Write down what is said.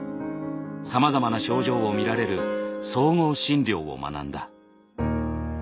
さまざまな症状を診られる「総合診療」を学んだ。